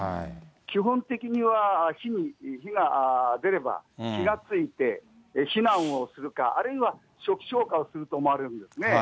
基本的には火が出れば気が付いて避難をするか、あるいは初期消火をすると思われるんですね。